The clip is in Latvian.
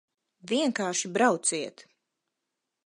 Vienkārši brauciet!